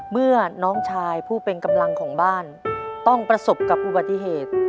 เมื่อน้องชายผู้เป็นกำลังของบ้านต้องประสบกับอุบัติเหตุ